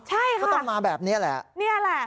ใช่ค่ะก็ต้องมาแบบนี้แหละ